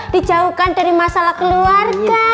dijauhkan dari masalah keluarga